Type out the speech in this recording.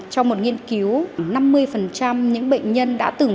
trong một nghiên cứu năm mươi những bệnh nhân đã tử vong